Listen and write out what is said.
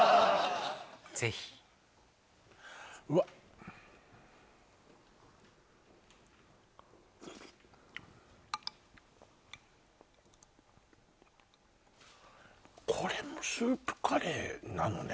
ぜひわこれもスープカレーなのね